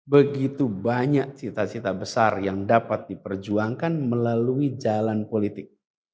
begitu banyak cita cita besar yang dapat diperjuangkan melalui jalan politik